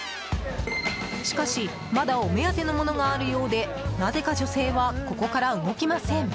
しかし、まだお目当てのものがあるようでなぜか女性はここから動きません。